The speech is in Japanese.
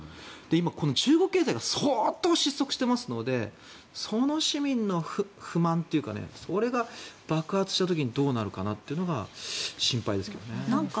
今、中国経済が相当失速していますのでその市民の不満というかそれが爆発した時にどうなるかなというのが心配ですけどね。